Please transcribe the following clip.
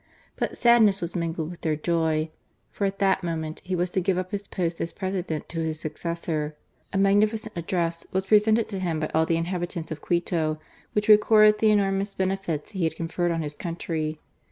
But sadness was mingled with their joy, for at that moment he was to give up his post as President to his successor. A magnificent address was presented to him by all the inhabitants of Quito, which recorded the enormous benefits he had conferred on his country.